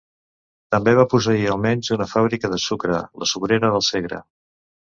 També va posseir almenys una fàbrica de sucre, la Sucrera del Segre.